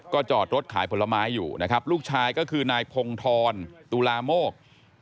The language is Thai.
จอดรถขายผลไม้อยู่นะครับลูกชายก็คือนายพงธรตุลาโมก